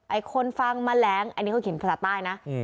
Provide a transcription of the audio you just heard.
คนฟังแมลงอันนี้เขาเขียนภาษาใต้นะ